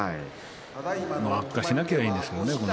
悪化しなければいいんですけれどもね。